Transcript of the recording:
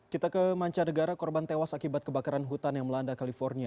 kita ke manca negara korban tewas akibat kebakaran hutan yang melanda california